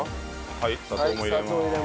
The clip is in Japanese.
はい砂糖も入れます。